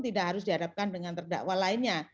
tidak harus dihadapkan dengan terdakwa lainnya